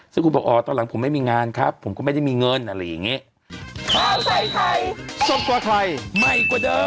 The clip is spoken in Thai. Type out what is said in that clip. ซึ่งคุณบอกตอนหลังผมไม่มีงานครับผมก็ไม่ได้มีเงินอะไรอย่างนี้